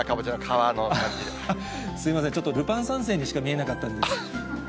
すみません、ちょっとルパン三世にしか見えなかったんです。